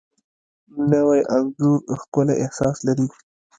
نوی انځور ښکلی احساس لري